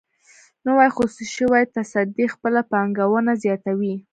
نوې خصوصي شوې تصدۍ خپله پانګونه زیاتوي.